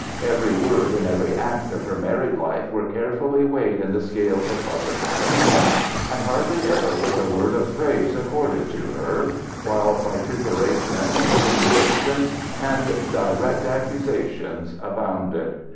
Every word and every act of her married life were carefully weighed in the scales of public opinion, and hardly ever was a word of praise accorded to her, while vituperation, insinuations, and direct accusations abounded.